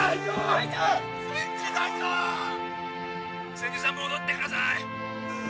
千住さん戻ってください